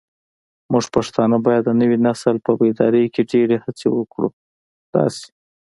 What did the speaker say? موږ پښتانه بايد د نوي نسل په بيداري کې ډيرې هڅې وکړو داسې